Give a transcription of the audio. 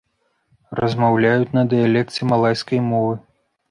Размаўляюць на дыялекце малайскай мовы.